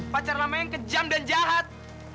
pacar lama yang kejam dan jahat